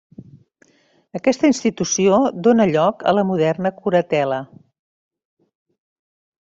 Aquesta institució dóna lloc a la moderna curatela.